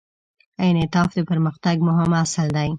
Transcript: انعطاف د پرمختګ مهم اصل دی.